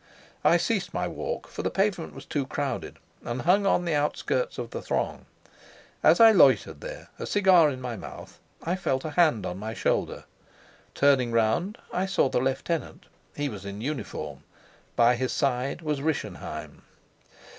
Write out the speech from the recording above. I ceased my walk, for the pavement was too crowded, and hung on the outskirts of the throng. As I loitered there, a cigar in my mouth, I felt a hand on my shoulder. Turning round, I saw the lieutenant. He was in uniform. By his side was Rischenheim.